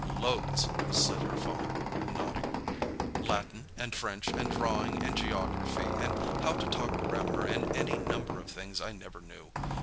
"Loads," said her father, nodding; "Latin, and French, and drawing, and geography, and how to talk grammar, and any number of things I never knew.